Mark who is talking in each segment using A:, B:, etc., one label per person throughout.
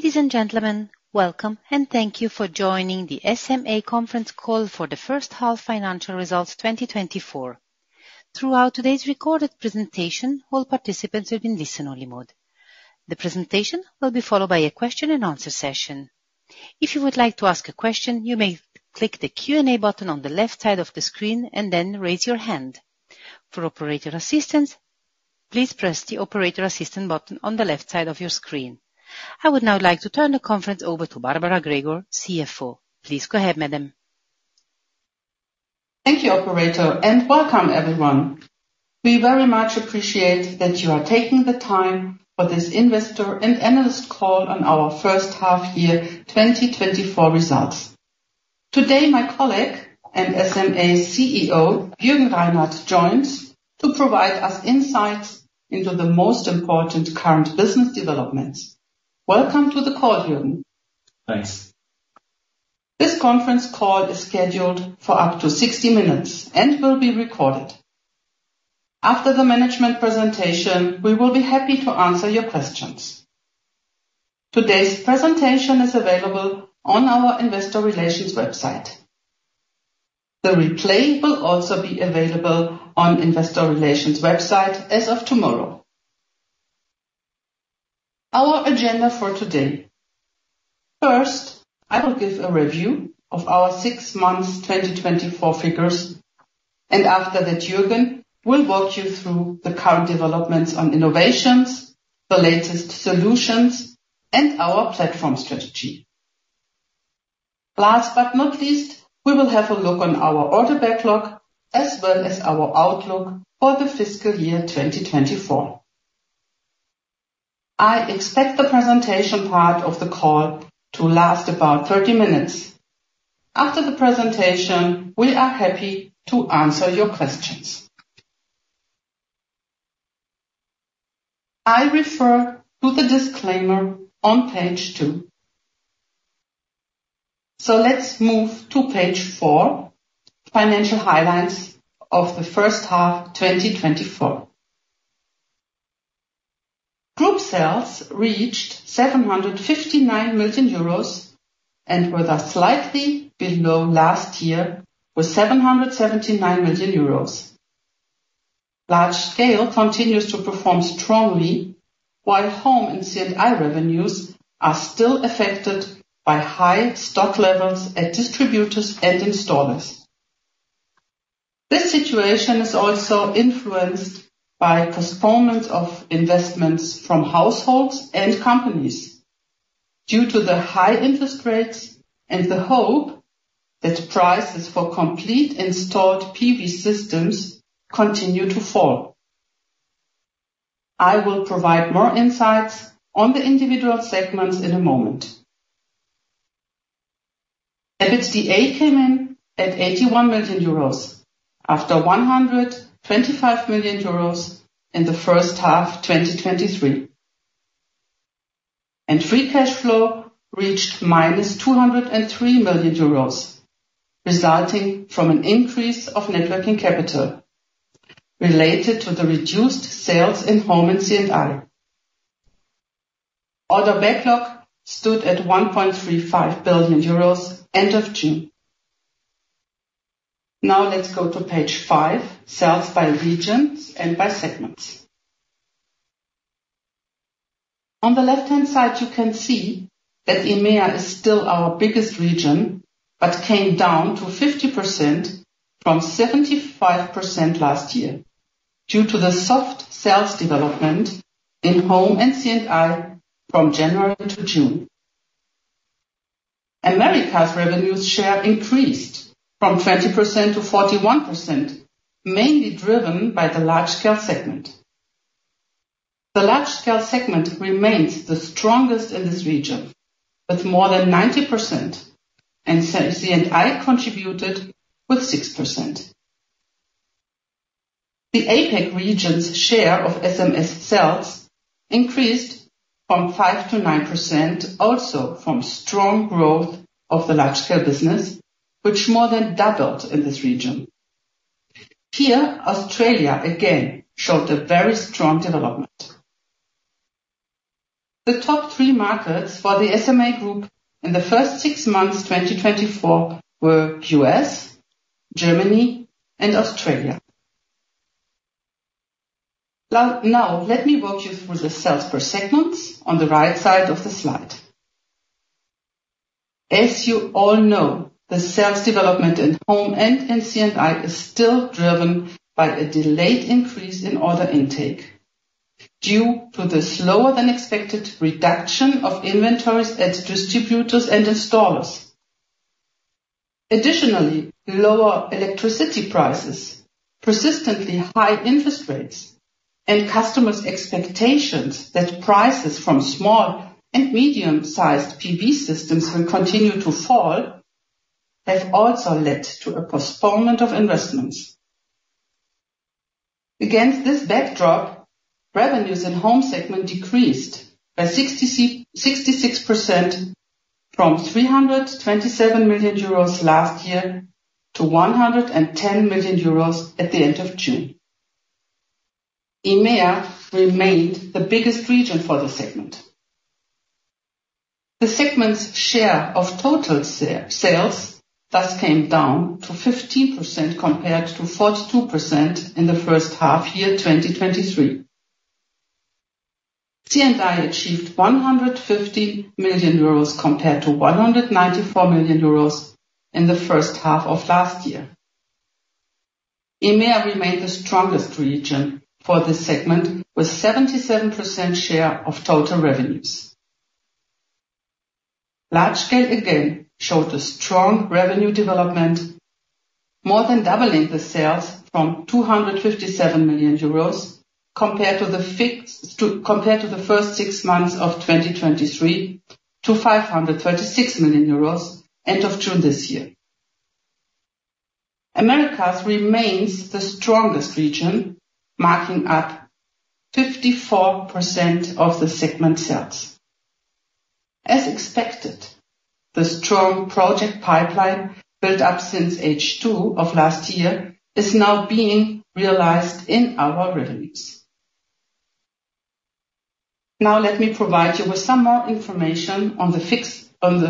A: Ladies and gentlemen, welcome, and thank you for joining the SMA Conference Call for the first half financial results, 2024. Throughout today's recorded presentation, all participants will be in listen-only mode. The presentation will be followed by a question-and-answer session. If you would like to ask a question, you may click the Q&A button on the left side of the screen and then raise your hand. For operator assistance, please press the Operator Assistance button on the left side of your screen. I would now like to turn the conference over to Barbara Gregor, CFO. Please go ahead, madam.
B: Thank you, operator, and welcome, everyone. We very much appreciate that you are taking the time for this investor and analyst call on our first half year 2024 results. Today, my colleague and SMA CEO, Jürgen Reinert, joins to provide us insights into the most important current business developments. Welcome to the call, Jürgen.
C: Thanks.
B: This conference call is scheduled for up to 60 minutes and will be recorded. After the management presentation, we will be happy to answer your questions. Today's presentation is available on our investor relations website. The replay will also be available on investor relations website as of tomorrow. Our agenda for today. First, I will give a review of our six months, 2024 figures, and after that, Jürgen will walk you through the current developments on innovations, the latest solutions, and our platform strategy. Last but not least, we will have a look on our order backlog, as well as our outlook for the fiscal year 2024. I expect the presentation part of the call to last about 30 minutes. After the presentation, we are happy to answer your questions. I refer to the disclaimer on page two. So let's move to page four, Financial Highlights of the first half, 2024. Group sales reached 759 million euros, and were thus slightly below last year, with 779 million euros. Large scale continues to perform strongly, while home and C&I revenues are still affected by high stock levels at distributors and installers. This situation is also influenced by postponement of investments from households and companies due to the high interest rates and the hope that prices for complete installed PV systems continue to fall. I will provide more insights on the individual segments in a moment. EBITDA came in at 81 million euros, after 125 million euros in the first half, 2023. Free cash flow reached -203 million euros, resulting from an increase of net working capital related to the reduced sales in home and C&I. Order backlog stood at 1.35 billion euros end of June. Now, let's go to page five, Sales by Regions and by Segments. On the left-hand side, you can see that EMEA is still our biggest region, but came down to 50% from 75% last year due to the soft sales development in home and C&I from January to June. Americas revenues share increased from 20% to 41%, mainly driven by the large scale segment. The large scale segment remains the strongest in this region, with more than 90%, and C&I contributed with 6%. The APAC region's share of SMA sales increased from 5% to 9%, also from strong growth of the large scale business, which more than doubled in this region. Here, Australia again showed a very strong development. The top three markets for the SMA Group in the first six months, 2024, were U.S., Germany, and Australia. Now let me walk you through the sales per segments on the right side of the slide. As you all know, the sales development in home and in C&I is still driven by a delayed increase in order intake due to the slower than expected reduction of inventories at distributors and installers. Additionally, lower electricity prices, persistently high interest rates, and customers' expectations that prices from small and medium-sized PV systems will continue to fall, have also led to a postponement of investments. Against this backdrop, revenues in home segment decreased by 66% from 327 million euros last year to 110 million euros at the end of June. EMEA remained the biggest region for the segment. The segment's share of total sales, thus came down to 15% compared to 42% in the first half year, 2023. C&I achieved 150 million euros compared to 194 million euros in the first half of last year. EMEA remained the strongest region for this segment, with 77% share of total revenues. Large scale, again, showed a strong revenue development, more than doubling the sales from 257 million euros compared to the first six months of 2023 to 536 million euros end of June this year. Americas remains the strongest region, marking up 54% of the segment sales. As expected, the strong project pipeline built up since H2 of last year, is now being realized in our revenues. Now, let me provide you with some more information on the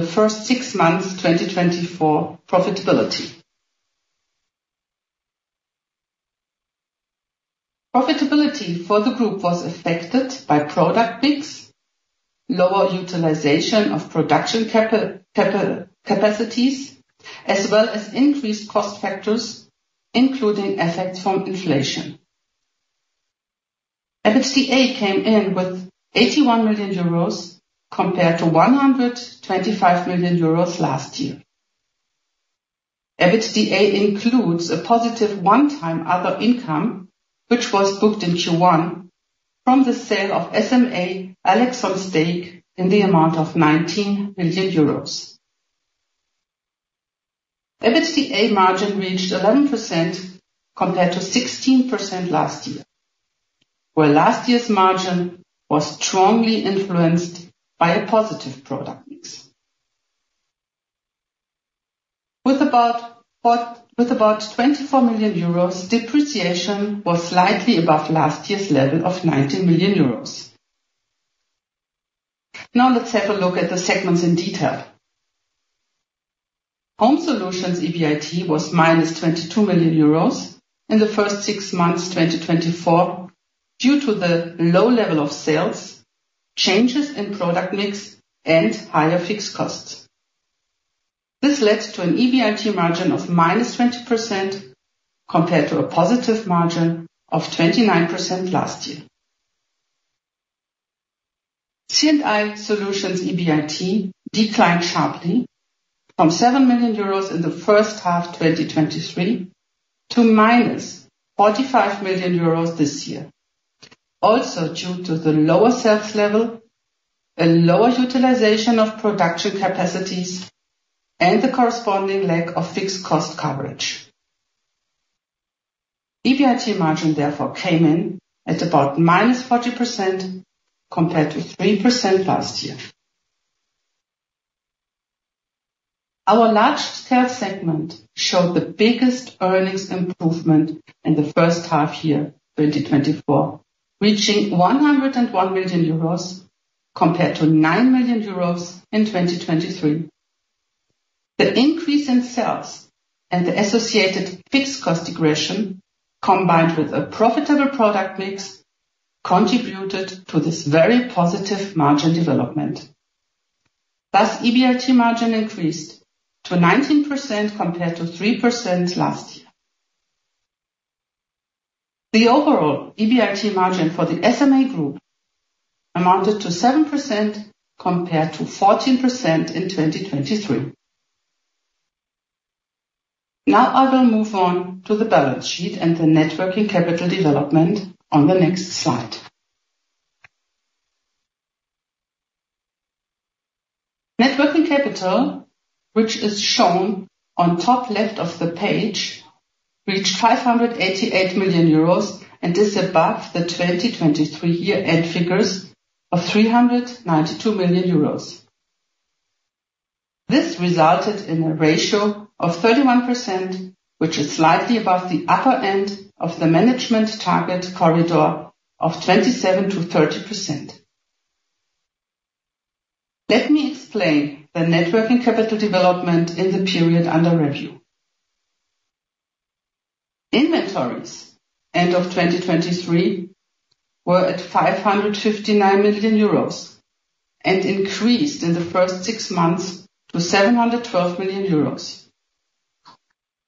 B: first six months, 2024 profitability. Profitability for the group was affected by product mix, lower utilization of production capacities, as well as increased cost factors, including effects from inflation. EBITDA came in with 81 million euros compared to 125 million euros last year. EBITDA includes a positive one-time other income, which was booked in Q1 from the sale of SMA elexon stake in the amount of 19 million euros. EBITDA margin reached 11%, compared to 16% last year, where last year's margin was strongly influenced by a positive product mix. With about 24 million euros, depreciation was slightly above last year's level of 19 million euros. Now, let's have a look at the segments in detail. Home Solutions EBIT was -22 million euros in the first six months, 2024, due to the low level of sales, changes in product mix, and higher fixed costs. This led to an EBIT margin of -20% compared to a positive margin of 29% last year. C&I Solutions EBIT declined sharply from 7 million euros in the first half, 2023, to -45 million euros this year. Also, due to the lower sales level and lower utilization of production capacities and the corresponding lack of fixed cost coverage. EBIT margin therefore came in at about -40%, compared to 3% last year. Our Large Scale segment showed the biggest earnings improvement in the first half year, 2024, reaching 101 million euros compared to 9 million euros in 2023. The increase in sales and the associated fixed cost regression, combined with a profitable product mix, contributed to this very positive margin development. Thus, EBIT margin increased to 19% compared to 3% last year. The overall EBIT margin for the SMA Group amounted to 7%, compared to 14% in 2023. Now, I will move on to the balance sheet and the net working capital development on the next slide. net working capital, which is shown on top left of the page, reached 588 million euros, and is above the 2023 year-end figures of 392 million euros. This resulted in a ratio of 31, which is slightly above the upper end of the management target corridor of 27%-30%. Let me explain the net working capital development in the period under review. Inventories, end of 2023, were at 559 million euros and increased in the first six months to 712 million euros due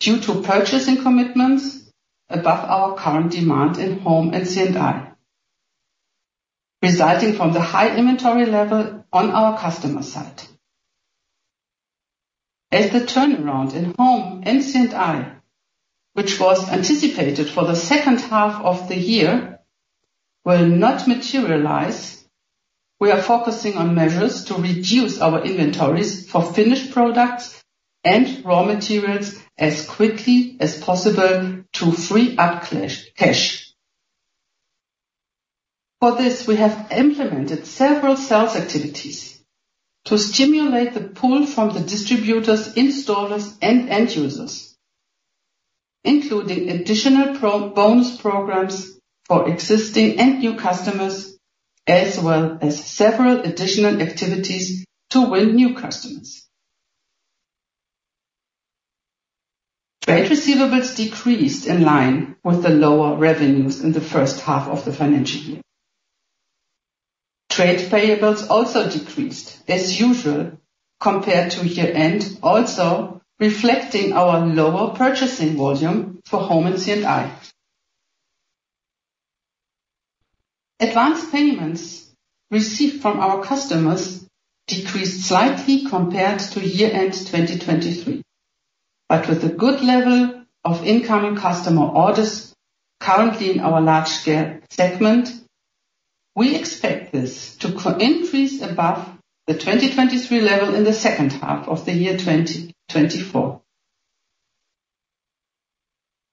B: to purchasing commitments above our current demand in Home and C&I, resulting from the high inventory level on our customer side. As the turnaround in Home and C&I, which was anticipated for the second half of the year, will not materialize, we are focusing on measures to reduce our inventories for finished products and raw materials as quickly as possible to free up cash. For this, we have implemented several sales activities to stimulate the pull from the distributors, installers, and end users, including additional promo-bonus programs for existing and new customers, as well as several additional activities to win new customers. Trade receivables decreased in line with the lower revenues in the first half of the financial year. Trade payables also decreased as usual, compared to year-end, also reflecting our lower purchasing volume for Home and C&I. Advanced payments received from our customers decreased slightly compared to year-end 2023, but with a good level of incoming customer orders currently in our large scale segment, we expect this to increase above the 2023 level in the second half of the year 2024.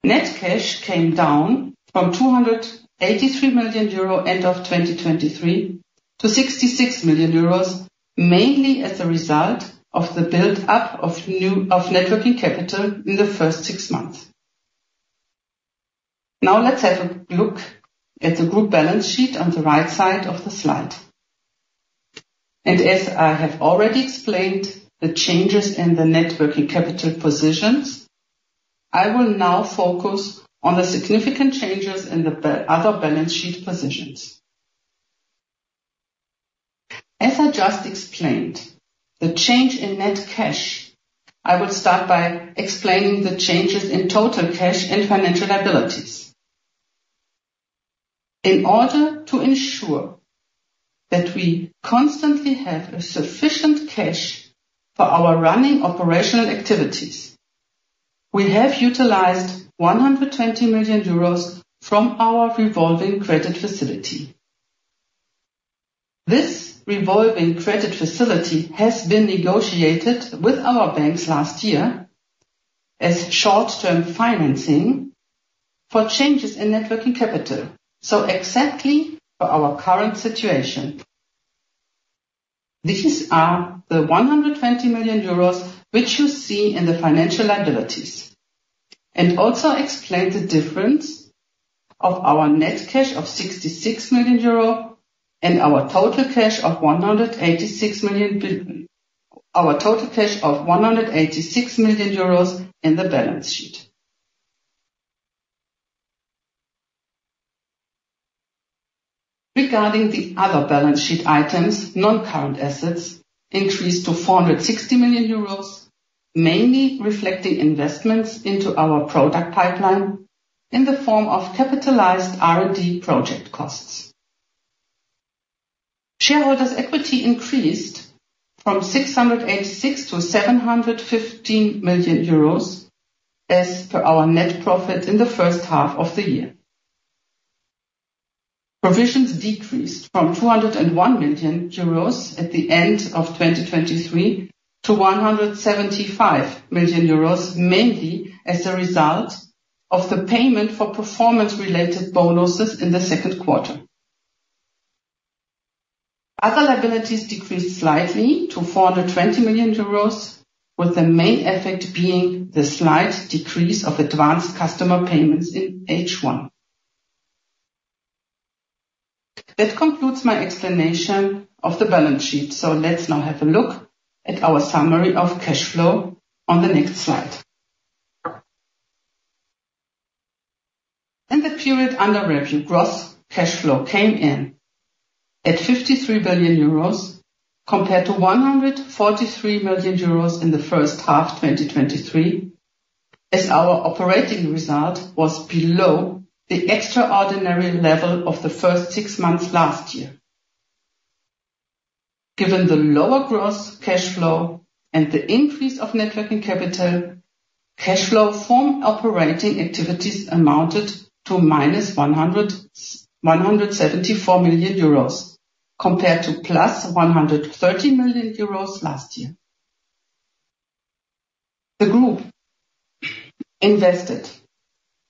B: Net cash came down from 283 million euro, end of 2023, to 66 million euros, mainly as a result of the build-up of new, of net working capital in the first six months. Now, let's have a look at the group balance sheet on the right side of the slide. As I have already explained, the changes in the net working capital positions, I will now focus on the significant changes in the other balance sheet positions. As I just explained, the change in net cash, I will start by explaining the changes in total cash and financial liabilities. In order to ensure that we constantly have a sufficient cash for our running operational activities, we have utilized 120 million euros from our revolving credit facility. This revolving credit facility has been negotiated with our banks last year as short-term financing for changes in net working capital, so exactly for our current situation. These are the 120 million euros, which you see in the financial liabilities, and also explain the difference of our net cash of 66 million euro and our total cash of 186 million. Our total cash of 186 million euros in the balance sheet. Regarding the other balance sheet items, non-current assets increased to 460 million euros, mainly reflecting investments into our product pipeline in the form of capitalized R&D project costs. Shareholders' equity increased from 686 million to 715 million euros, as per our net profit in the first half of the year. Provisions decreased from 201 million euros at the end of 2023 to 175 million euros, mainly as a result of the payment for performance-related bonuses in the second quarter. Other liabilities decreased slightly to 420 million euros, with the main effect being the slight decrease of advanced customer payments in H1. That concludes my explanation of the balance sheet. So let's now have a look at our summary of cash flow on the next slide. In the period under review, gross cash flow came in at 53 million euros, compared to 143 million euros in the first half 2023, as our operating result was below the extraordinary level of the first six months last year. Given the lower gross cash flow and the increase of net working capital, cash flow from operating activities amounted to minus 174 million euros, compared to plus 130 million euros last year. The group invested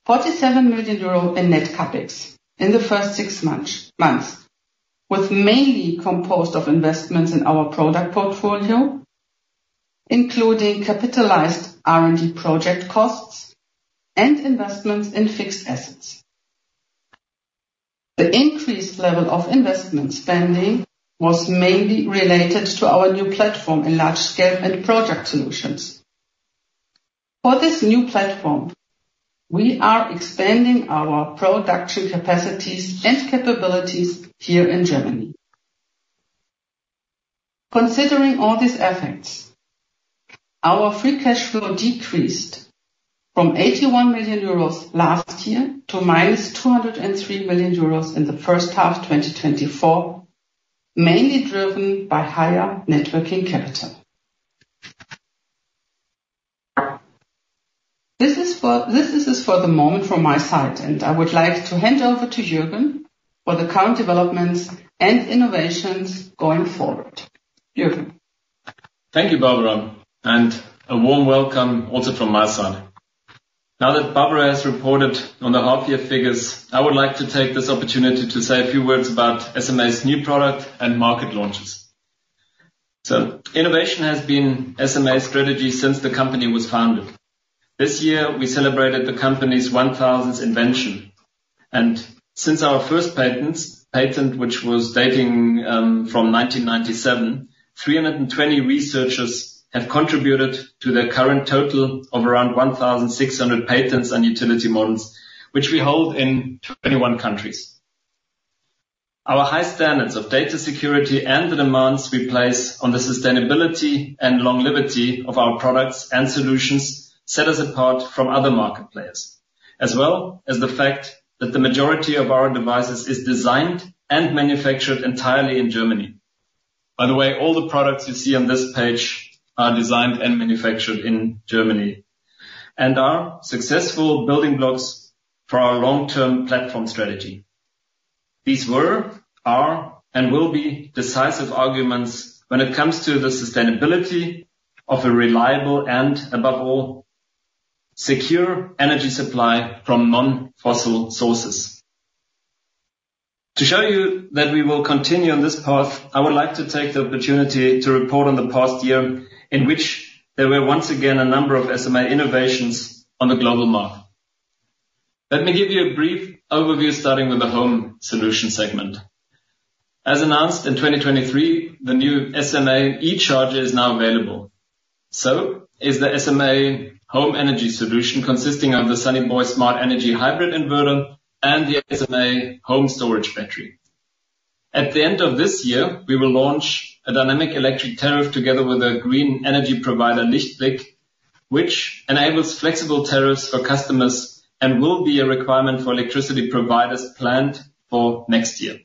B: 47 million euro in net CapEx in the first six months, with mainly composed of investments in our product portfolio, including capitalized R&D project costs and investments in fixed assets. The increased level of investment spending was mainly related to our new platform in large scale and project solutions. For this new platform, we are expanding our production capacities and capabilities here in Germany. Considering all these effects, our free cash flow decreased from 81 million euros last year to -203 million euros in the first half of 2024, mainly driven by higher net working capital. This is it for the moment from my side, and I would like to hand over to Jürgen for the current developments and innovations going forward. Jürgen?...
C: Thank you, Barbara, and a warm welcome also from my side. Now that Barbara has reported on the half year figures, I would like to take this opportunity to say a few words about SMA's new product and market launches. So innovation has been SMA's strategy since the company was founded. This year, we celebrated the company's 1,000th invention, and since our first patent, which was dating from 1997, 320 researchers have contributed to the current total of around 1,600 patents and utility models, which we hold in 21 countries. Our high standards of data security and the demands we place on the sustainability and longevity of our products and solutions set us apart from other market players, as well as the fact that the majority of our devices is designed and manufactured entirely in Germany. By the way, all the products you see on this page are designed and manufactured in Germany and are successful building blocks for our long-term platform strategy. These were, are, and will be decisive arguments when it comes to the sustainability of a reliable and, above all, secure energy supply from non-fossil sources. To show you that we will continue on this path, I would like to take the opportunity to report on the past year in which there were once again a number of SMA innovations on the global market. Let me give you a brief overview, starting with the home solution segment. As announced in 2023, the new SMA eCharger is now available. So is the SMA Home Energy Solution, consisting of the Sunny Boy Smart Energy hybrid inverter and the SMA home storage battery. At the end of this year, we will launch a dynamic electric tariff together with a green energy provider, LichtBlick, which enables flexible tariffs for customers and will be a requirement for electricity providers planned for next year.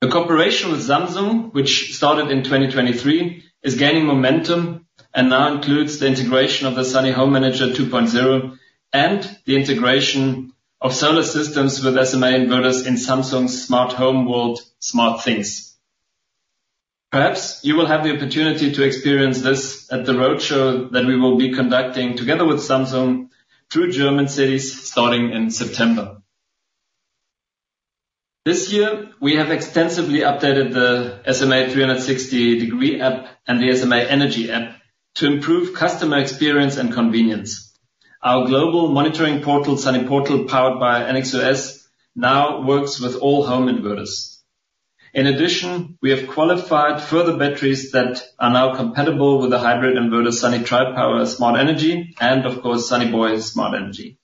C: The cooperation with Samsung, which started in 2023, is gaining momentum and now includes the integration of the Sunny Home Manager 2.0 and the integration of solar systems with SMA inverters in Samsung's Smart Home world, SmartThings. Perhaps you will have the opportunity to experience this at the roadshow that we will be conducting together with Samsung through German cities, starting in September. This year, we have extensively updated the SMA 360° App and the SMA Energy App to improve customer experience and convenience. Our global monitoring portal, Sunny Portal, powered by ennexOS, now works with all home inverters. In addition, we have qualified further batteries that are now compatible with the hybrid inverter, Sunny Tripower Smart Energy, and of course, Sunny Boy Smart Energy.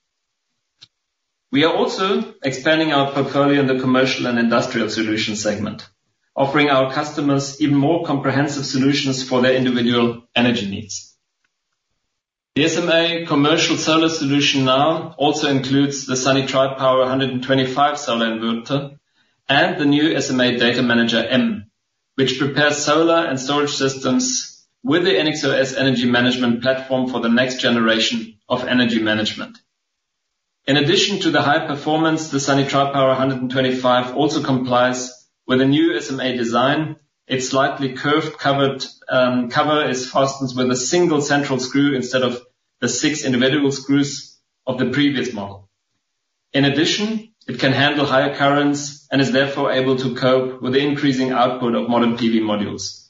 C: We are also expanding our portfolio in the commercial and industrial solution segment, offering our customers even more comprehensive solutions for their individual energy needs. The SMA commercial solar solution now also includes the Sunny Tripower 125 solar inverter and the new SMA Data Manager M, which prepares solar and storage systems with the ennexOS energy management platform for the next generation of energy management. In addition to the high performance, the Sunny Tripower 125 also complies with the new SMA design. Its slightly curved covered, cover is fastened with a single central screw instead of the six individual screws of the previous model. In addition, it can handle higher currents and is therefore able to cope with the increasing output of modern PV modules.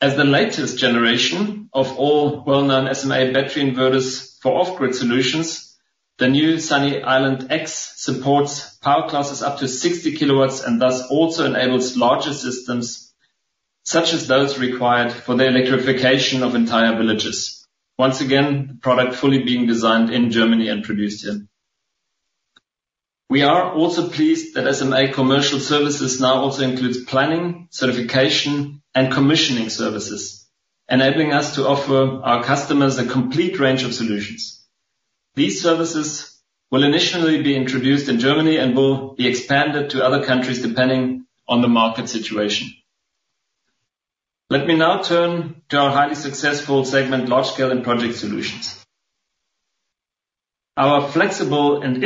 C: As the latest generation of all well-known SMA battery inverters for off-grid solutions, the new Sunny Island X supports power classes up to 60 kW and thus also enables larger systems, such as those required for the electrification of entire villages. Once again, the product fully being designed in Germany and produced here. We are also pleased that SMA Commercial Services now also includes planning, certification, and commissioning services, enabling us to offer our customers a complete range of solutions. These services will initially be introduced in Germany and will be expanded to other countries, depending on the market situation. Let me now turn to our highly successful segment, large scale and project solutions. Our flexible and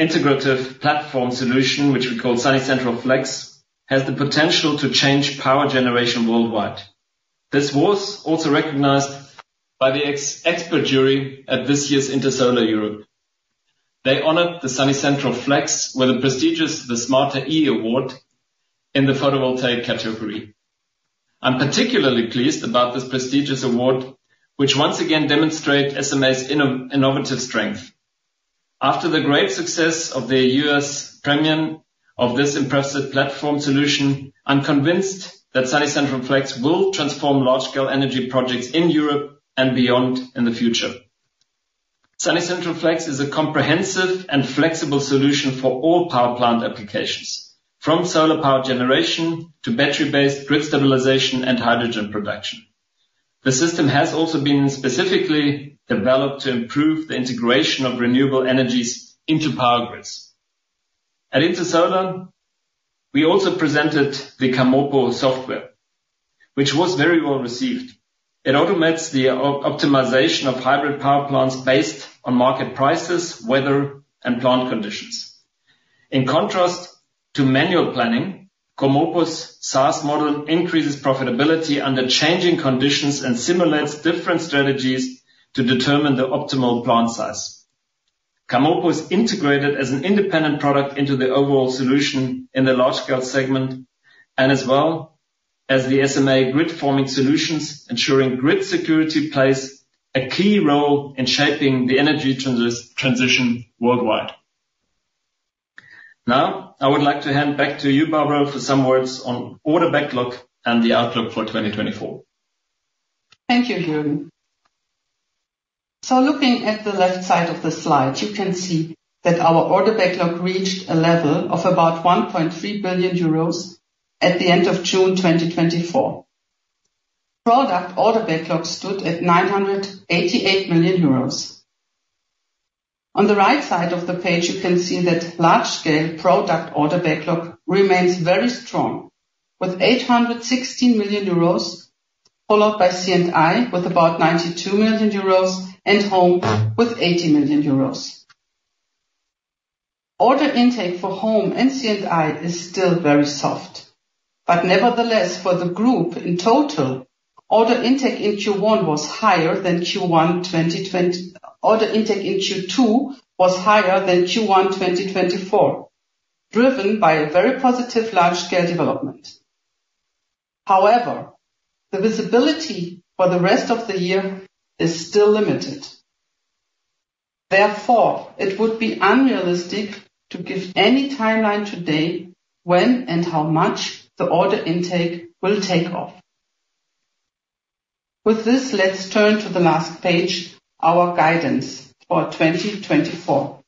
C: integrative platform solution, which we call Sunny Central Flex, has the potential to change power generation worldwide. This was also recognized by the expert jury at this year's Intersolar Europe. They honored the Sunny Central Flex with the prestigious The Smarter E Award in the photovoltaic category. I'm particularly pleased about this prestigious award, which once again demonstrate SMA's innovative strength. After the great success of the U.S. premiere of this impressive platform solution, I'm convinced that Sunny Central Flex will transform large-scale energy projects in Europe and beyond in the future. Sunny Central Flex is a comprehensive and flexible solution for all power plant applications, from solar power generation to battery-based grid stabilization and hydrogen production. The system has also been specifically developed to improve the integration of renewable energies into power grids. At Intersolar, we also presented the CAMOPO software, which was very well received. It automates the optimization of hybrid power plants based on market prices, weather, and plant conditions. In contrast to manual planning, CAMOPO's SaaS model increases profitability under changing conditions and simulates different strategies to determine the optimal plant size. CAMOPO is integrated as an independent product into the overall solution in the large scale segment, and as well as the SMA grid forming solutions, ensuring grid security plays a key role in shaping the energy transition worldwide. Now, I would like to hand back to you, Barbara, for some words on order backlog and the outlook for 2024.
B: Thank you, Jürgen. So looking at the left side of the slide, you can see that our order backlog reached a level of about 1.3 billion euros at the end of June 2024. Product order backlog stood at 988 million euros. On the right side of the page, you can see that large scale product order backlog remains very strong, with 860 million euros, followed by C&I, with about 92 million euros and home with 80 million euros. Order intake for home and C&I is still very soft, but nevertheless, for the group in total, order intake in Q1 was higher than Q1 2020. Order intake in Q2 was higher than Q1 2024, driven by a very positive large scale development. However, the visibility for the rest of the year is still limited. Therefore, it would be unrealistic to give any timeline today when and how much the order intake will take off. With this, let's turn to the last page, our guidance for 2024.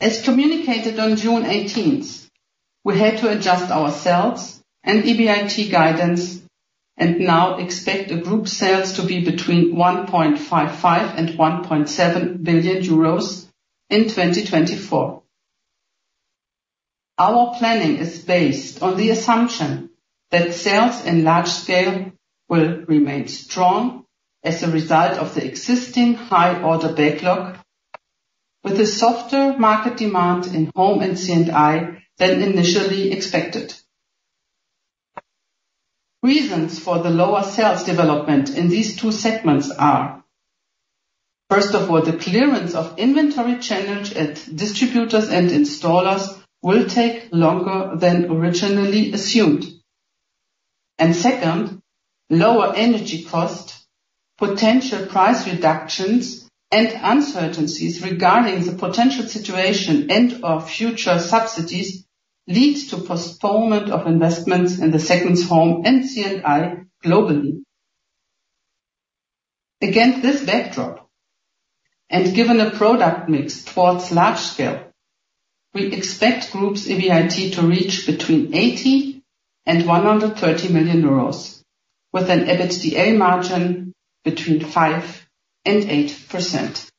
B: As communicated on June eighteenth, we had to adjust our sales and EBIT guidance, and now expect the group sales to be between 1.55 billion and 1.7 billion euros in 2024. Our planning is based on the assumption that sales in large scale will remain strong as a result of the existing high order backlog, with a softer market demand in home and C&I than initially expected. Reasons for the lower sales development in these two segments are, first of all, the clearance of inventory challenge at distributors and installers will take longer than originally assumed. Second, lower energy cost, potential price reductions, and uncertainties regarding the potential situation and/or future subsidies leads to postponement of investments in the segments home and C&I globally. Against this backdrop, and given a product mix towards large scale, we expect group's EBIT to reach between 80 million and 130 million euros, with an EBITDA margin between 5% and 8%.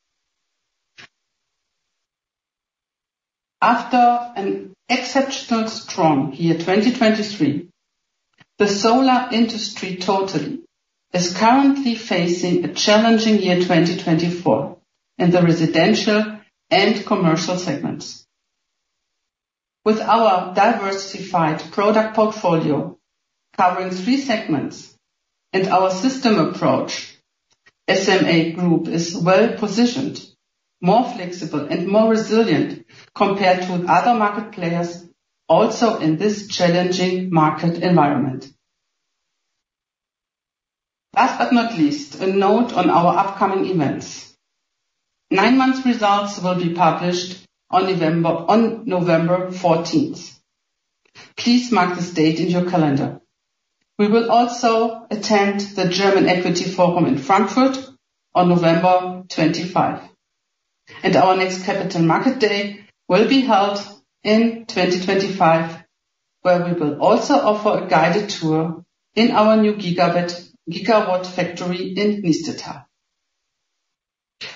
B: After an exceptional strong year, 2023, the solar industry today is currently facing a challenging year, 2024, in the residential and commercial segments. With our diversified product portfolio covering three segments and our system approach, SMA Group is well positioned, more flexible and more resilient compared to other market players, also in this challenging market environment. Last but not least, a note on our upcoming events. Nine months results will be published on November, on November fourteenth. Please mark this date in your calendar. We will also attend the German Equity Forum in Frankfurt on November 25, and our next Capital Market Day will be held in 2025, where we will also offer a guided tour in our new gigawatt factory in Niestetal.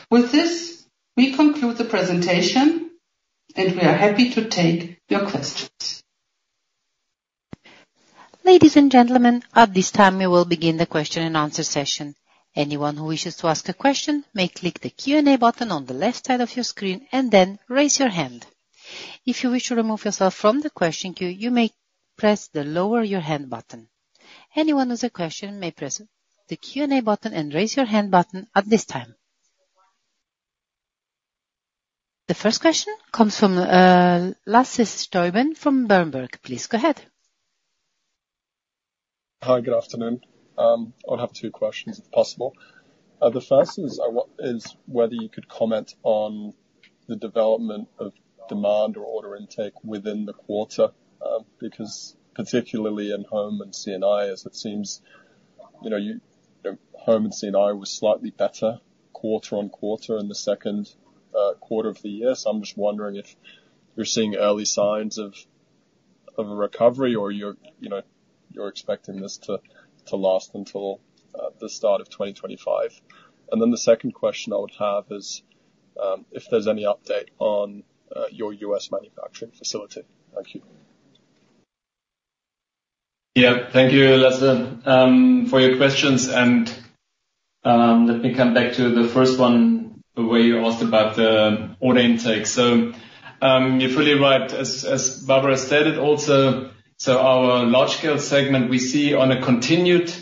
B: With this, we conclude the presentation, and we are happy to take your questions.
A: Ladies and gentlemen, at this time, we will begin the question-and-answer session. Anyone who wishes to ask a question may click the Q&A button on the left side of your screen and then raise your hand. If you wish to remove yourself from the question queue, you may press the Lower Your Hand button. Anyone with a question may press the Q&A button and Raise Your Hand button at this time. The first question comes from Lasse Stüben from Berenberg. Please go ahead.
D: Hi, good afternoon. I'll have two questions, if possible. The first is whether you could comment on the development of demand or order intake within the quarter, because particularly in home and C&I, as it seems, you know, you, home and C&I was slightly better quarter on quarter in the second quarter of the year. So I'm just wondering if you're seeing early signs of a recovery or you're, you know, you're expecting this to last until the start of 2025. And then the second question I would have is, if there's any update on your U.S. manufacturing facility. Thank you....
C: Yeah, thank you, Lasse, for your questions. And let me come back to the first one, where you asked about the order intake. So you're fully right, as Barbara stated also, so our large-scale segment, we see on a continued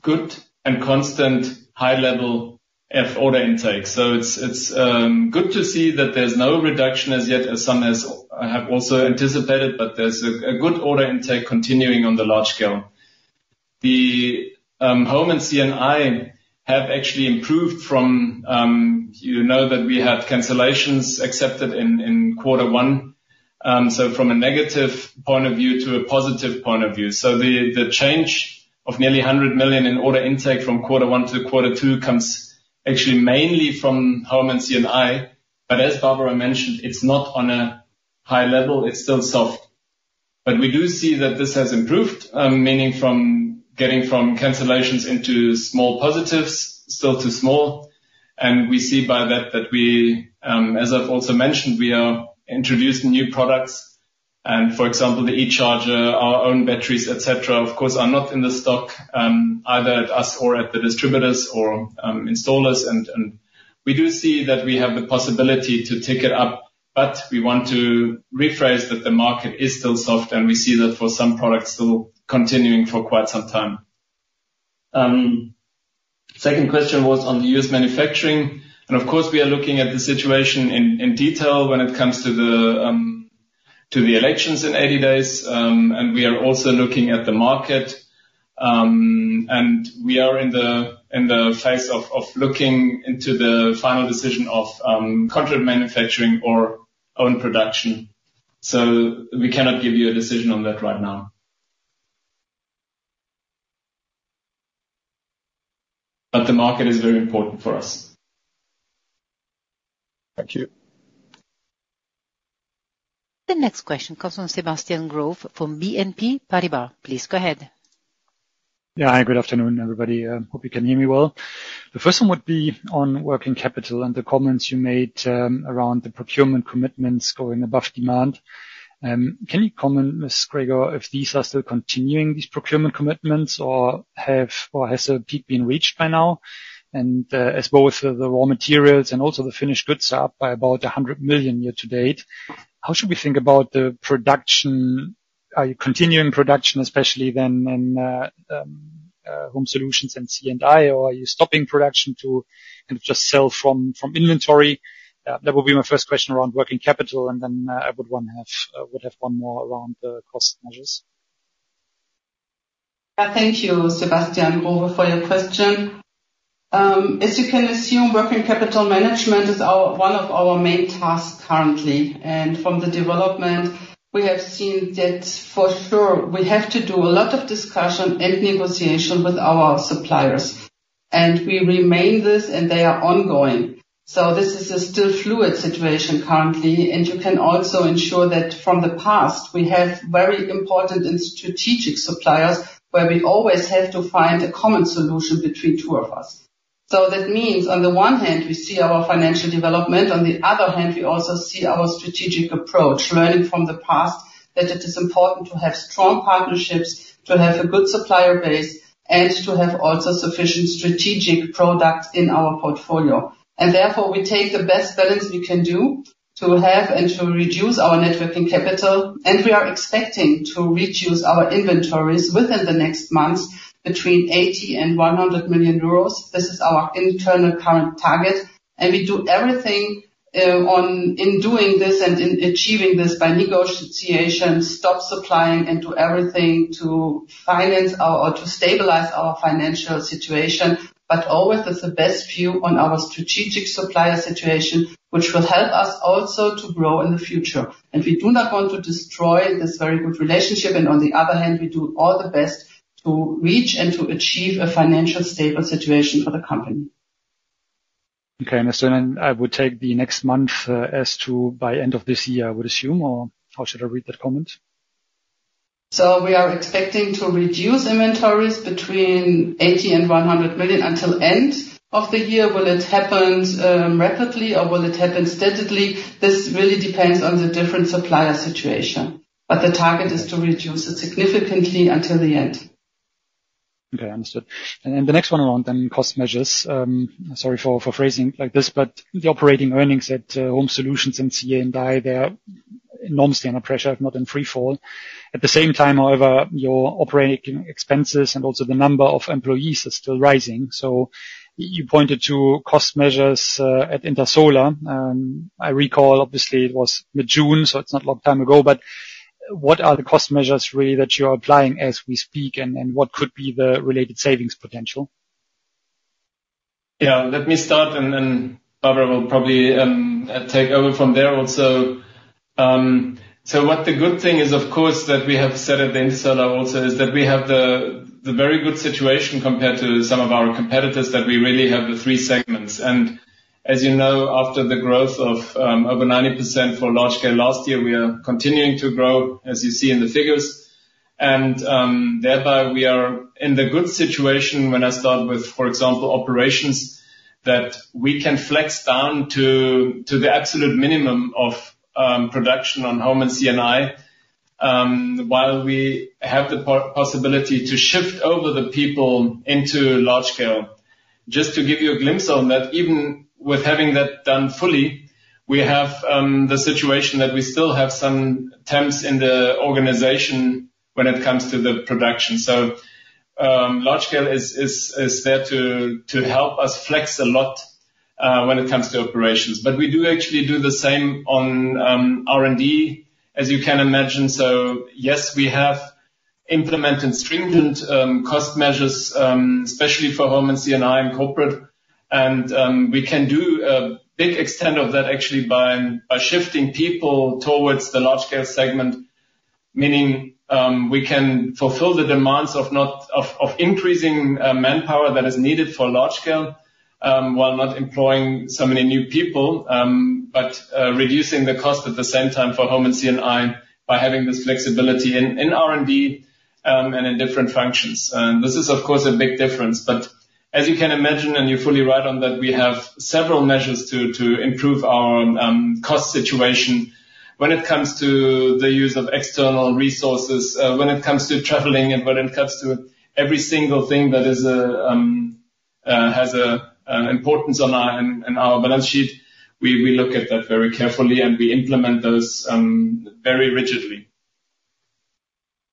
C: good and constant high level of order intake. So it's good to see that there's no reduction as yet, as some has have also anticipated, but there's a good order intake continuing on the large scale. The home and C&I have actually improved from you know that we had cancellations accepted in quarter one. So from a negative point of view to a positive point of view. So the change of nearly 100 million in order intake from quarter one to quarter two comes actually mainly from home and C&I. But as Barbara mentioned, it's not on a high level, it's still soft. But we do see that this has improved, meaning from getting from cancellations into small positives, still too small. And we see by that, that we, as I've also mentioned, we are introducing new products, and, for example, the eCharger, our own batteries, et cetera, of course, are not in the stock, either at us or at the distributors or, installers. And, and we do see that we have the possibility to take it up, but we want to rephrase that the market is still soft, and we see that for some products still continuing for quite some time. Second question was on the U.S. manufacturing, and of course, we are looking at the situation in, in detail when it comes to the, to the elections in 80 days. And we are also looking at the market, and we are in the phase of looking into the final decision of contract manufacturing or own production. So we cannot give you a decision on that right now. But the market is very important for us.
D: Thank you.
A: The next question comes from Sebastian Growe from BNP Paribas. Please go ahead.
E: Yeah, hi, good afternoon, everybody. Hope you can hear me well. The first one would be on working capital and the comments you made around the procurement commitments going above demand. Can you comment, Ms. Gregor, if these are still continuing, these procurement commitments, or have- or has a peak been reached by now? And, as both the raw materials and also the finished goods are up by about 100 million year-to-date, how should we think about the production? Are you continuing production, especially then, in Home Solutions and C&I, or are you stopping production to kind of just sell from inventory? That would be my first question around working capital, and then I would want to have would have one more around the cost measures.
B: Thank you, Sebastian Growe, for your question. As you can assume, working capital management is our, one of our main tasks currently, and from the development, we have seen that for sure, we have to do a lot of discussion and negotiation with our suppliers, and we remain this, and they are ongoing. So this is a still fluid situation currently, and you can also ensure that from the past, we have very important and strategic suppliers, where we always have to find a common solution between two of us. So that means on the one hand, we see our financial development, on the other hand, we also see our strategic approach, learning from the past that it is important to have strong partnerships, to have a good supplier base, and to have also sufficient strategic products in our portfolio. Therefore, we take the best balance we can do to have and to reduce our net working capital, and we are expecting to reduce our inventories within the next months between 80 million and 100 million euros. This is our internal current target, and we do everything in doing this and in achieving this by negotiation, stop supplying and do everything to finance our, or to stabilize our financial situation, but always with the best view on our strategic supplier situation, which will help us also to grow in the future. And we do not want to destroy this very good relationship, and on the other hand, we do all the best to reach and to achieve a financial stable situation for the company.
E: Okay, understood. And I would take the next month as to by end of this year, I would assume, or how should I read that comment?
B: So we are expecting to reduce inventories between 80 million and 100 million until end of the year. Will it happen rapidly, or will it happen steadily? This really depends on the different supplier situation, but the target is to reduce it significantly until the end.
E: Okay, understood. And the next one around then, cost measures. Sorry for phrasing it like this, but the operating earnings at Home Solutions and C&I, they are enormously under pressure, if not in free fall. At the same time, however, your operating expenses and also the number of employees are still rising. So you pointed to cost measures at Intersolar. I recall, obviously, it was mid-June, so it's not a long time ago, but what are the cost measures really that you are applying as we speak, and what could be the related savings potential?
C: Yeah, let me start, and then Barbara will probably take over from there also. So what the good thing is, of course, that we have said at the Intersolar also is that we have the very good situation compared to some of our competitors, that we really have the three segments. And as you know, after the growth of over 90% for large scale last year, we are continuing to grow, as you see in the figures. And thereby, we are in the good situation when I start with, for example, operations that we can flex down to the absolute minimum of production on Home and C&I, while we have the possibility to shift over the people into large scale. Just to give you a glimpse on that, even with having that done fully, we have the situation that we still have some temps in the organization when it comes to the production. So, large scale is there to help us flex a lot when it comes to operations. But we do actually do the same on R&D, as you can imagine. So yes, we have implemented stringent cost measures, especially for Home and C&I and corporate. And we can do a big extent of that actually by shifting people towards the large scale segment. Meaning, we can fulfill the demands of increasing manpower that is needed for large scale, while not employing so many new people, but reducing the cost at the same time for Home and C&I by having this flexibility in R&D, and in different functions. And this is, of course, a big difference. But as you can imagine, and you're fully right on that, we have several measures to improve our cost situation when it comes to the use of external resources, when it comes to traveling and when it comes to every single thing that has an importance in our balance sheet. We look at that very carefully, and we implement those very rigidly.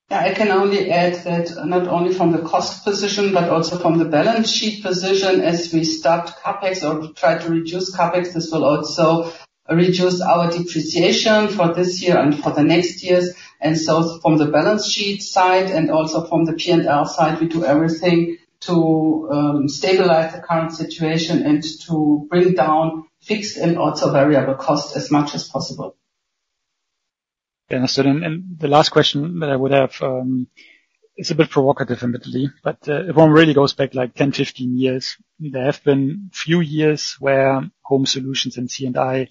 B: Yeah, I can only add that not only from the cost position, but also from the balance sheet position as we start CapEx or try to reduce CapEx, this will also reduce our depreciation for this year and for the next years. And so from the balance sheet side and also from the P&L side, we do everything to stabilize the current situation and to bring down fixed and also variable costs as much as possible.
E: Understood. And the last question that I would have is a bit provocative, admittedly, but if one really goes back, like, 10, 15 years, there have been few years where Home Solutions and C&I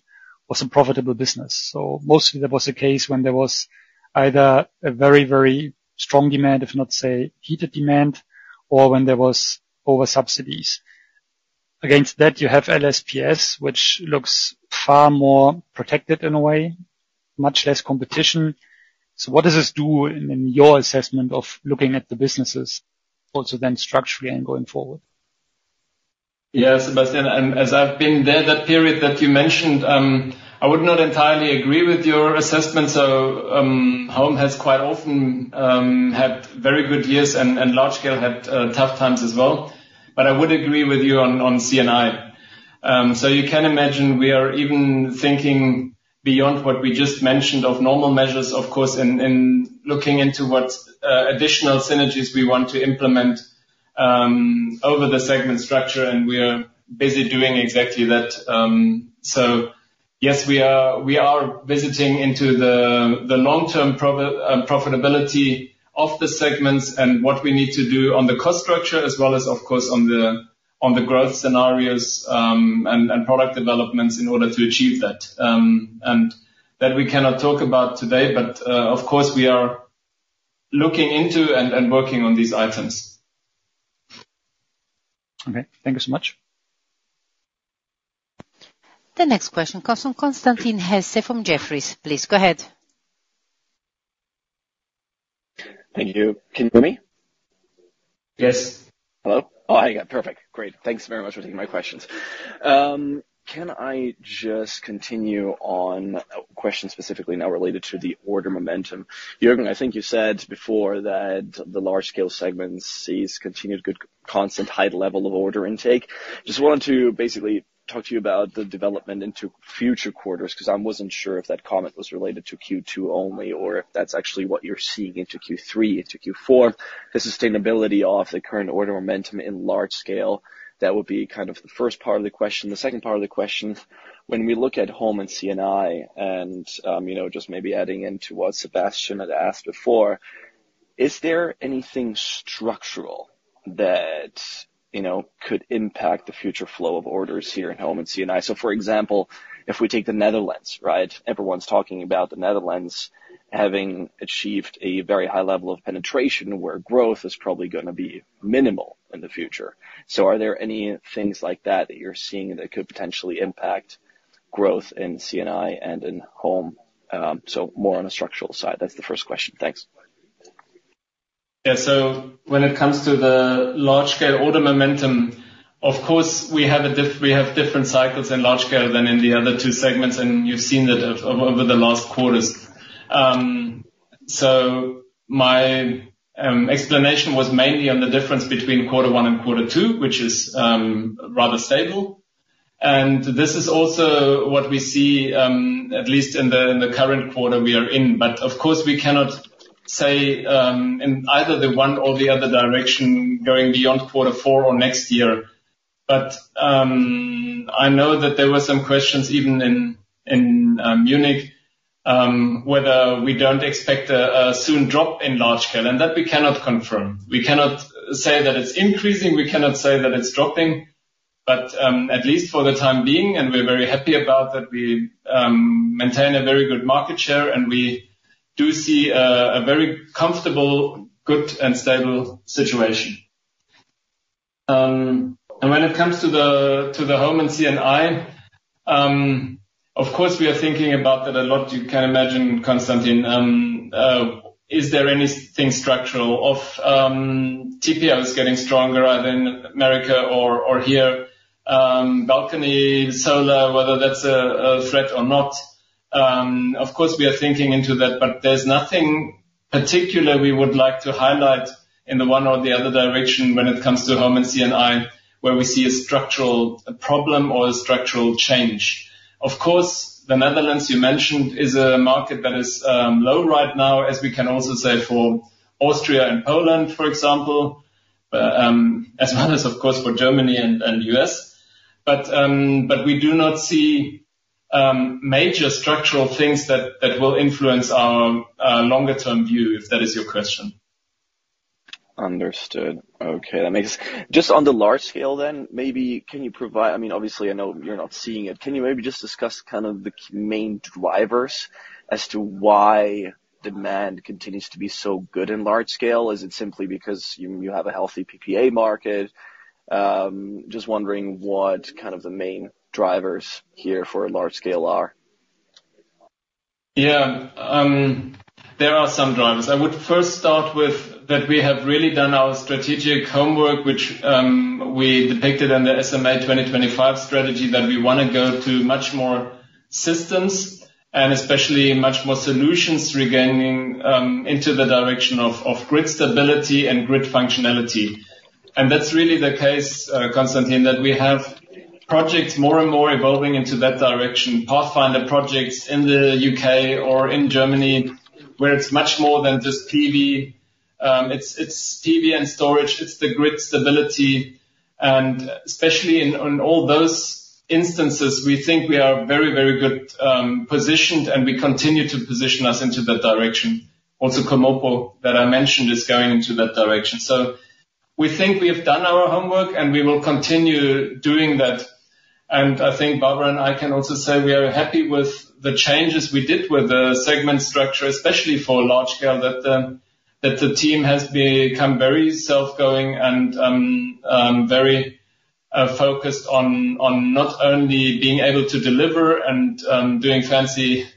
E: was a profitable business. So mostly that was the case when there was either a very, very strong demand, if not, say, heated demand, or when there was over subsidies. Against that, you have LSPS, which looks far more protected in a way, much less competition. So what does this do in your assessment of looking at the businesses also then structurally and going forward?
C: Yeah, Sebastian, and as I've been there, that period that you mentioned, I would not entirely agree with your assessment. So, Home has quite often had very good years, and Large Scale had tough times as well. But I would agree with you on C&I. So you can imagine we are even thinking beyond what we just mentioned of normal measures, of course, in looking into what additional synergies we want to implement over the segment structure, and we are busy doing exactly that. So yes, we are visiting into the long-term profitability of the segments and what we need to do on the cost structure, as well as, of course, on the growth scenarios, and product developments in order to achieve that. And that we cannot talk about today, but of course, we are looking into and working on these items.
E: Okay. Thank you so much.
A: The next question comes from Constantin Hesse from Jefferies. Please go ahead.
F: Thank you. Can you hear me?
C: Yes.
F: Hello? Oh, I got it. Perfect. Great. Thanks very much for taking my questions. Can I just continue on a question specifically now related to the order momentum? Jürgen, I think you said before that the large scale segment sees continued good, constant high level of order intake. Just wanted to basically talk to you about the development into future quarters, 'cause I wasn't sure if that comment was related to Q2 only, or if that's actually what you're seeing into Q3, into Q4, the sustainability of the current order momentum in large scale. That would be kind of the first part of the question. The second part of the question, when we look at Home and C&I, and, you know, just maybe adding into what Sebastian had asked before, is there anything structural that, you know, could impact the future flow of orders here in Home and C&I? So, for example, if we take the Netherlands, right? Everyone's talking about the Netherlands having achieved a very high level of penetration, where growth is probably gonna be minimal in the future. So are there any things like that, that you're seeing that could potentially impact growth in C&I and in Home? So more on the structural side. That's the first question. Thanks.
C: Yeah. So when it comes to the large-scale order momentum, of course, we have different cycles in large scale than in the other two segments, and you've seen that over the last quarters. So my explanation was mainly on the difference between quarter one and quarter two, which is rather stable. And this is also what we see at least in the current quarter we are in. But of course, we cannot say in either the one or the other direction, going beyond quarter four or next year. But I know that there were some questions, even in Munich, whether we don't expect a soon drop in large scale, and that we cannot confirm. We cannot say that it's increasing, we cannot say that it's dropping, but at least for the time being, and we're very happy about that, we maintain a very good market share, and we do see a very comfortable, good, and stable situation. And when it comes to the home and C&I, of course, we are thinking about that a lot. You can imagine, Constantine, is there anything structural of TPLs getting stronger either in America or here, balcony solar, whether that's a threat or not? Of course, we are thinking into that, but there's nothing particular we would like to highlight in the one or the other direction when it comes to home and C&I, where we see a structural problem or a structural change. Of course, the Netherlands, you mentioned, is a market that is low right now, as we can also say for Austria and Poland, for example, as well as, of course, for Germany and U.S. But we do not see major structural things that will influence our longer term view, if that is your question.
F: Understood. Okay, that makes. Just on the large scale, then, maybe can you provide? I mean, obviously, I know you're not seeing it. Can you maybe just discuss kind of the main drivers as to why demand continues to be so good in large scale? Is it simply because you, you have a healthy PPA market? Just wondering what kind of the main drivers here for large scale are.
C: Yeah. There are some drivers. I would first start with that we have really done our strategic homework, which, we depicted in the SMA 2025 strategy, that we wanna go to much more systems and especially much more solutions regarding, into the direction of, of grid stability and grid functionality. And that's really the case, Constantine, that we have projects more and more evolving into that direction. Pathfinder projects in the U.K. or in Germany, where it's much more than just PV. It's, it's PV and storage, it's the grid stability, and especially in, on all those instances, we think we are very, very good, positioned, and we continue to position us into that direction. Also, CAMOPO, that I mentioned, is going into that direction. So we think we have done our homework, and we will continue doing that. I think Barbara and I can also say we are happy with the changes we did with the segment structure, especially for large scale, that the team has become very self-going and very focused on not only being able to deliver and doing fancy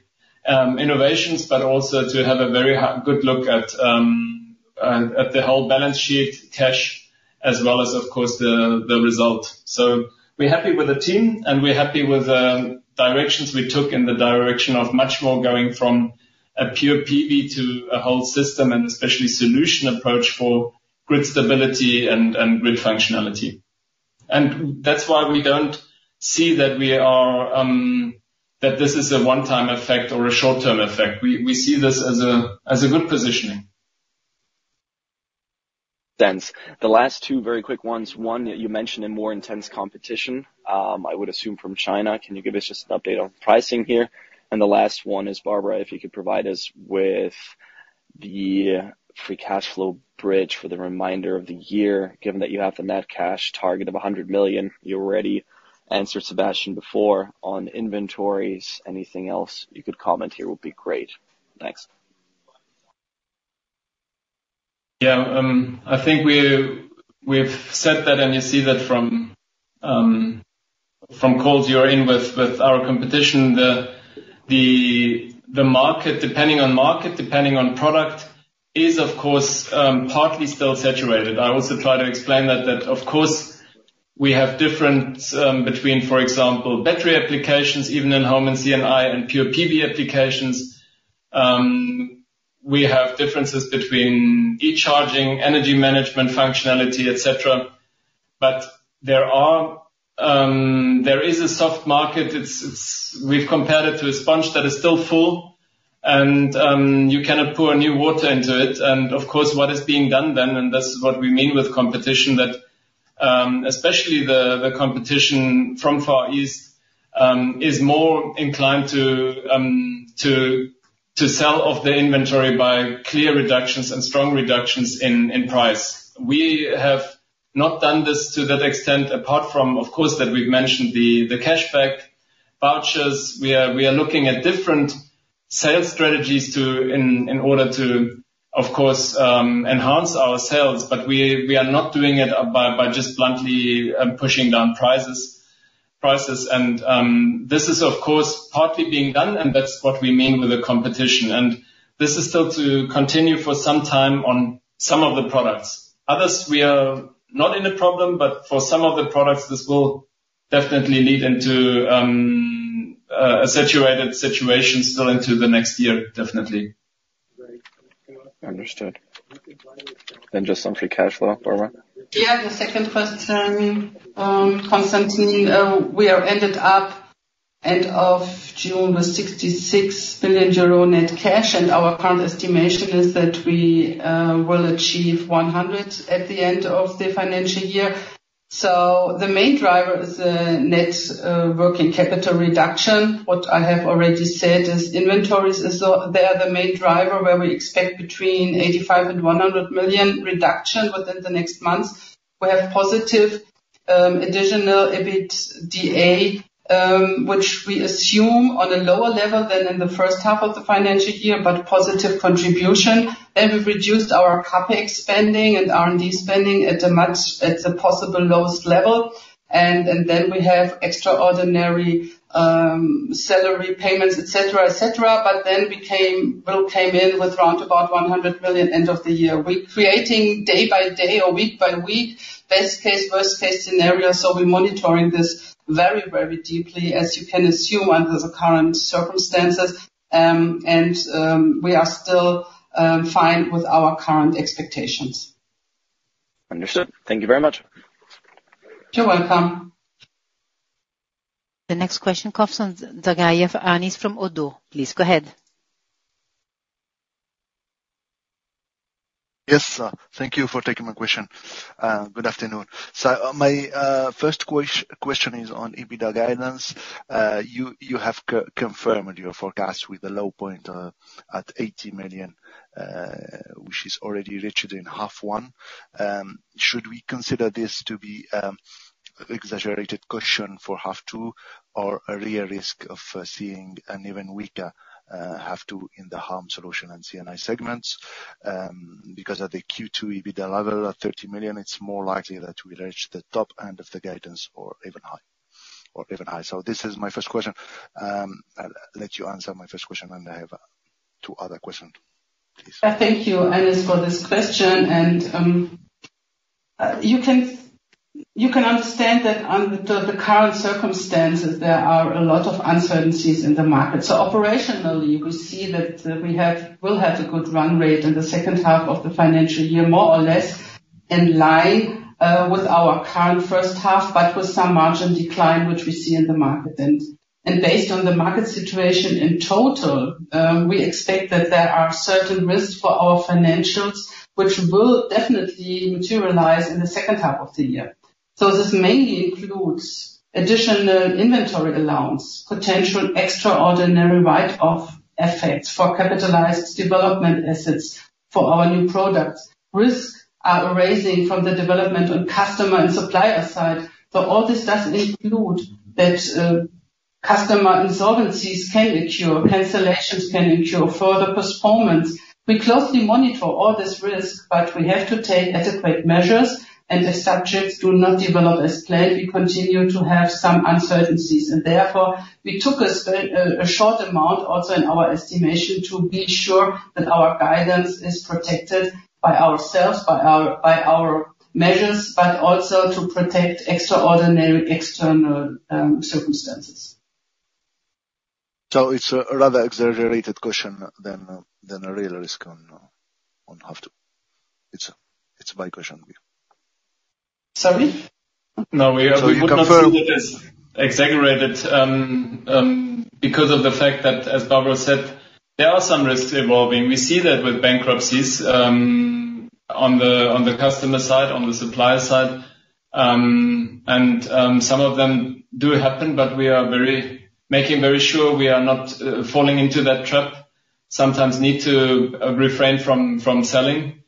C: innovations, but also to have a very good look at the whole balance sheet, cash, as well as, of course, the result. So we're happy with the team, and we're happy with the directions we took in the direction of much more going from a pure PV to a whole system, and especially solution approach for grid stability and grid functionality. And that's why we don't see that this is a one-time effect or a short-term effect. We see this as a good positioning.
F: So. The last two very quick ones. One, you mentioned a more intense competition, I would assume from China. Can you give us just an update on pricing here? And the last one is, Barbara, if you could provide us with the free cash flow bridge for the remainder of the year, given that you have the net cash target of 100 million. You already answered Sebastian before on inventories. Anything else you could comment here would be great. Thanks.
C: Yeah, I think we've said that, and you see that from calls you're in with our competition, the market, depending on market, depending on product, is of course partly still saturated. I also try to explain that of course we have difference between, for example, battery applications, even in home and C&I and pure PV applications. We have differences between e-charging, energy management, functionality, et cetera, but there is a soft market. It's... We've compared it to a sponge that is still full and you cannot pour new water into it. Of course, what is being done then, and this is what we mean with competition, that especially the competition from Far East is more inclined to sell off their inventory by clear reductions and strong reductions in price. We have not done this to that extent, apart from, of course, that we've mentioned the cash back vouchers. We are looking at different sales strategies to, in order to, of course, enhance our sales, but we are not doing it by just bluntly pushing down prices. This is, of course, partly being done, and that's what we mean with the competition. And this is still to continue for some time on some of the products. Others, we are not in a problem, but for some of the products, this will definitely lead into a saturated situation still into the next year, definitely.
F: Understood. Just on free cash flow, Barbara?
B: Yeah, the second question, Constantine, we ended up end of June with 66 million euro net cash, and our current estimation is that we will achieve 100 million at the end of the financial year. So the main driver is net working capital reduction. What I have already said is inventories. They are the main driver, where we expect 85 million-100 million reduction within the next months. We have positive additional EBITDA, which we assume on a lower level than in the first half of the financial year, but positive contribution. Then we've reduced our CapEx spending and R&D spending at the lowest possible level. And then we have extraordinary salary payments, et cetera, et cetera. But then we came, we'll come in with around 100 million end of the year. We're creating day by day or week by week, best case, worst case scenarios. So we're monitoring this very, very deeply, as you can assume under the current circumstances. And we are still fine with our current expectations.
F: Understood. Thank you very much.
B: You're welcome.
A: The next question comes from Zgaya, Anis from ODDO. Please go ahead.
G: Yes, thank you for taking my question. Good afternoon. So my first question is on EBITDA guidance. You have confirmed your forecast with a low point at 80 million, which is already reached in half one. Should we consider this to be exaggerated caution for half two, or a real risk of seeing an even weaker half two in the home solution and C&I segments? Because at the Q2 EBITDA level of 30 million, it's more likely that we reach the top end of the guidance or even higher. So this is my first question. I'll let you answer my first question, and I have two other questions.
B: Thank you, Anis, for this question, and you can understand that under the current circumstances, there are a lot of uncertainties in the market. So operationally, you could see that we'll have a good run rate in the second half of the financial year, more or less in line with our current first half, but with some margin decline, which we see in the market. Based on the market situation in total, we expect that there are certain risks for our financials, which will definitely materialize in the second half of the year. So this mainly includes additional inventory allowance, potential extraordinary write-off effects for capitalized development assets for our new products. Risks are arising from the development on customer and supplier side. So all this does include that customer insolvencies can occur, cancellations can occur, further postponements. We closely monitor all this risk, but we have to take adequate measures, and the subjects do not develop as planned. We continue to have some uncertainties, and therefore we took a short amount also in our estimation, to be sure that our guidance is protected by ourselves, by our measures, but also to protect extraordinary external circumstances.
G: So it's a rather exaggerated question than, than a real risk on, on half two. It's, it's my question.
B: Sorry?
C: No, we would not see it as exaggerated, because of the fact that, as Barbara said, there are some risks evolving. We see that with bankruptcies on the customer side, on the supplier side, and some of them do happen, but we are very making very sure we are not falling into that trap. Sometimes need to refrain from selling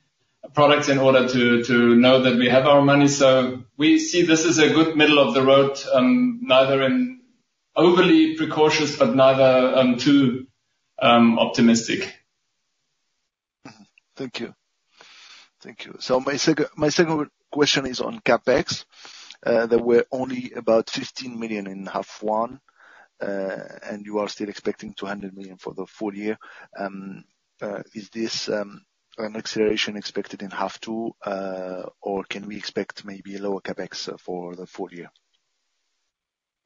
C: products in order to know that we have our money. So we see this as a good middle of the road, neither in overly precautious but neither too optimistic.
G: Mm-hmm. Thank you. Thank you. So my second, my second question is on CapEx. There were only about 15 million in half one, and you are still expecting 200 million for the full year. Is this an acceleration expected in half two, or can we expect maybe a lower CapEx for the full year?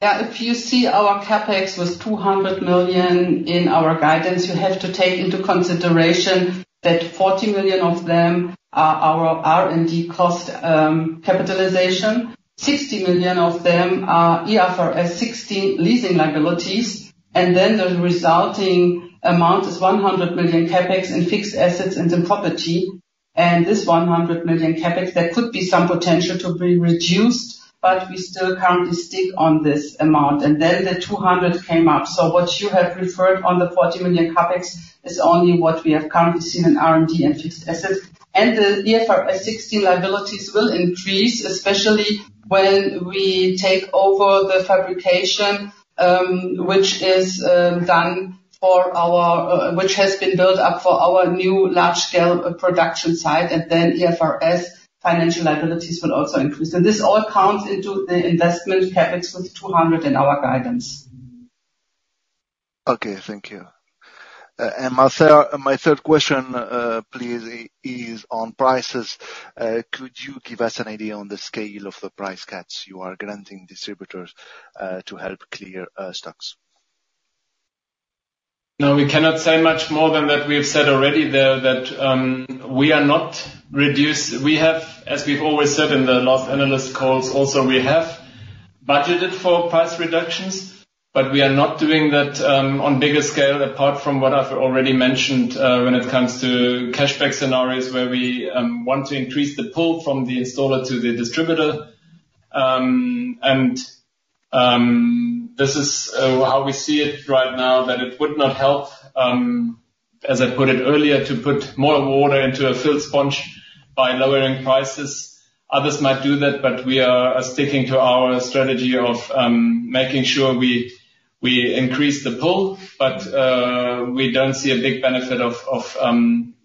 B: Yeah, if you see our CapEx was 200 million in our guidance, you have to take into consideration that 40 million of them are our R&D cost capitalization. 60 million of them are IFRS 16 leasing liabilities, and then the resulting amount is 100 million CapEx in fixed assets and in property. And this 100 million CapEx, there could be some potential to be reduced, but we still currently stick on this amount, and then the 200 million came up. So what you have referred on the 40 million CapEx is only what we have currently seen in R&D and fixed assets. And the IFRS 16 liabilities will increase, especially when we take over the fabrication, which has been built up for our new large-scale production site, and then IFRS financial liabilities will also increase. This all counts into the investment CapEx with 200 million in our guidance.
G: Okay, thank you. And my third question, please, is on prices. Could you give us an idea on the scale of the price cuts you are granting distributors to help clear stocks?
C: No, we cannot say much more than what we have said already there, that we are not reduced. We have, as we've always said in the last analyst calls, also, we have budgeted for price reductions, but we are not doing that on bigger scale, apart from what I've already mentioned when it comes to cashback scenarios, where we want to increase the pull from the installer to the distributor. And this is how we see it right now, that it would not help, as I put it earlier, to put more water into a filled sponge by lowering prices. Others might do that, but we are sticking to our strategy of making sure we increase the pull. But we don't see a big benefit of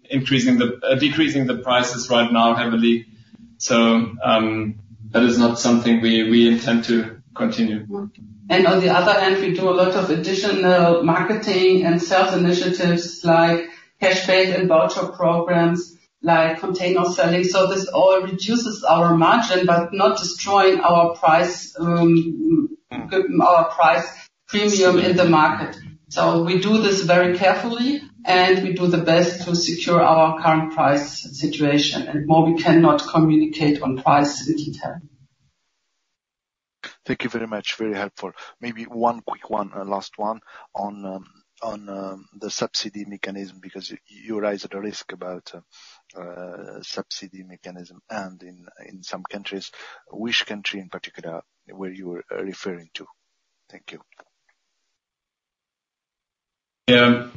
C: increasing, decreasing the prices right now heavily. That is not something we intend to continue.
B: And on the other hand, we do a lot of additional marketing and sales initiatives, like cash back and voucher programs, like container selling. So this all reduces our margin, but not destroying our price, our price premium in the market. So we do this very carefully, and we do the best to secure our current price situation. And more, we cannot communicate on price in detail.
G: Thank you very much. Very helpful. Maybe one quick one, last one on the subsidy mechanism, because you, you raised a risk about subsidy mechanism and in some countries. Which country in particular were you referring to? Thank you.
C: Yeah.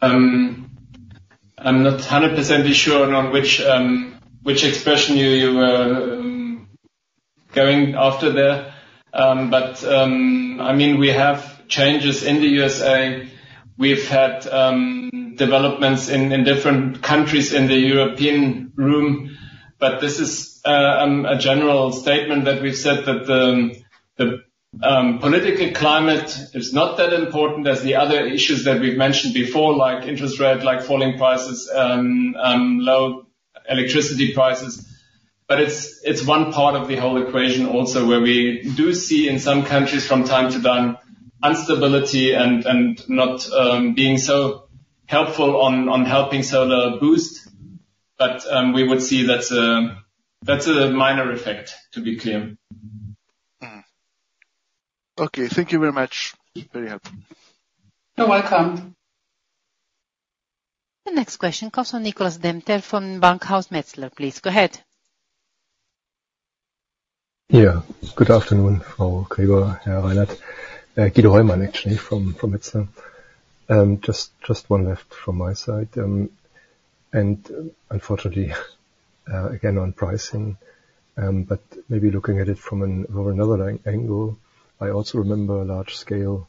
C: I'm not 100% sure on which, which expression you, you were going after there. But, I mean, we have changes in the U.S.A. We've had, developments in, in different countries in the European region. But this is, a general statement that we've said, that the, the, political climate is not that important as the other issues that we've mentioned before, like interest rates, like falling prices, low electricity prices. But it's, it's one part of the whole equation also, where we do see in some countries from time to time, instability and, and not, being so helpful on, on helping solar boost. But, we would see that's a, that's a minor effect, to be clear.
G: Okay, thank you very much. Very helpful.
B: You're welcome.
A: The next question comes from Nicholas Demeter from Bankhaus Metzler. Please, go ahead.
H: Yeah. Good afternoon, Barbara Gregor, Jürgen Reinert. Guido Hoymann from Metzler. Just one left from my side, and unfortunately again on pricing, but maybe looking at it from another angle. I also remember large scale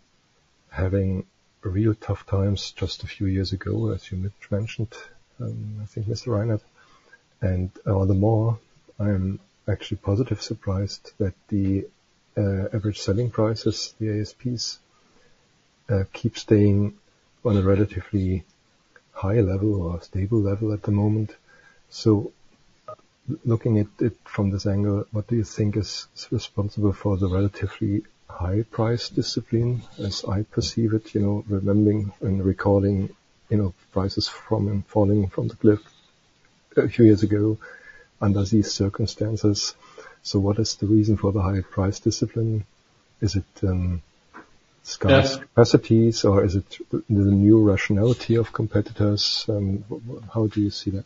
H: having real tough times just a few years ago, as you mentioned, I think, Mr. Reinert, and all the more, I'm actually positive surprised that the average selling prices, the ASPs, keep staying on a relatively high level or stable level at the moment. So looking at it from this angle, what do you think is responsible for the relatively high price discipline? As I perceive it, you know, remembering and recalling, you know, prices falling from the cliff a few years ago under these circumstances. So what is the reason for the higher price discipline? Is it scarce capacities, or is it the new rationality of competitors? How do you see that?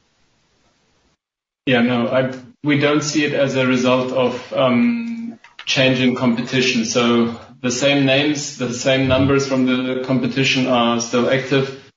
C: Yeah, no, I've—we don't see it as a result of changing competition. So the same names, the same numbers from the competition are still active,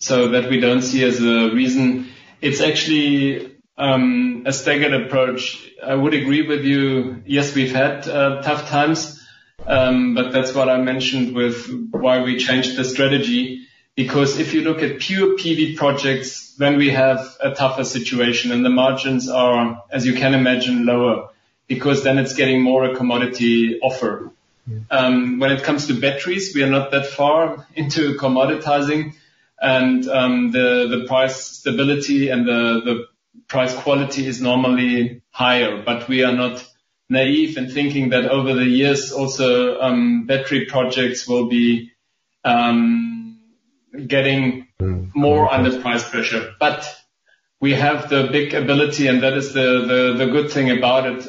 C: so that we don't see as a reason. It's actually a staggered approach. I would agree with you. Yes, we've had tough times, but that's what I mentioned with why we changed the strategy. Because if you look at pure PV projects, then we have a tougher situation, and the margins are, as you can imagine, lower, because then it's getting more a commodity offer. When it comes to batteries, we are not that far into commoditizing and the price stability and the price quality is normally higher. But we are not naive in thinking that over the years also battery projects will be getting-
H: Mm.
C: - more under price pressure. But we have the big ability, and that is the good thing about it,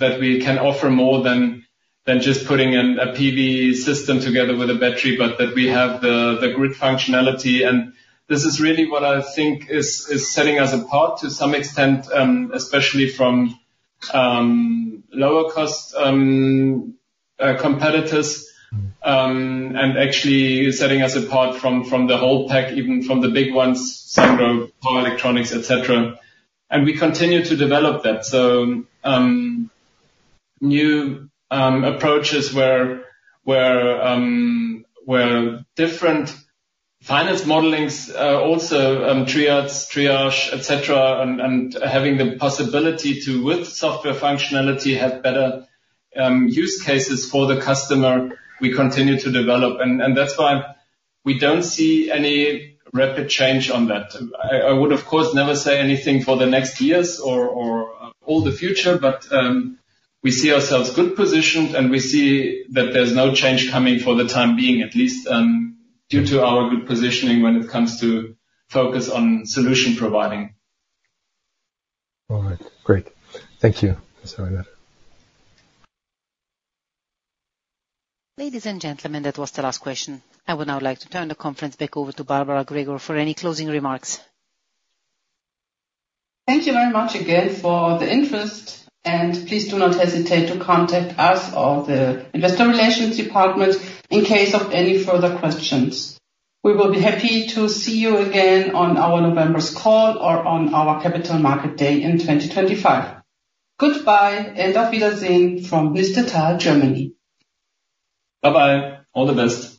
C: that we can offer more than just putting an a PV system together with a battery, but that we have the grid functionality. And this is really what I think is setting us apart to some extent, especially from lower cost competitors.
H: Mm.
C: And actually setting us apart from the whole pack, even from the big ones, Sungrow, Power Electronics, et cetera. And we continue to develop that. So, new approaches where different finance modelings, also, triads, triage, et cetera, and having the possibility to, with software functionality, have better use cases for the customer, we continue to develop, and that's why we don't see any rapid change on that. I would, of course, never say anything for the next years or all the future, but we see ourselves good positioned, and we see that there's no change coming for the time being, at least, due to our good positioning when it comes to focus on solution providing.
H: All right. Great. Thank you, Mr. Reinert.
A: Ladies and gentlemen, that was the last question. I would now like to turn the conference back over to Barbara Gregor for any closing remarks.
B: Thank you very much again for the interest, and please do not hesitate to contact us or the investor relations department in case of any further questions. We will be happy to see you again on our November's call or on our Capital Market Day in 2025. Goodbye, and auf Wiedersehen from Niestetal, Germany.
C: Bye-bye. All the best.